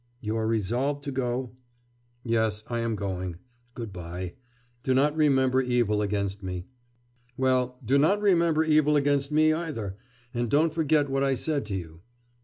You are resolved to go?' 'Yes, I am going. Good bye. Do not remember evil against me.' 'Well, do not remember evil against me either, and don't forget what I said to you.